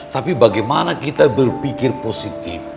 tapi bagaimana kita berpikir positif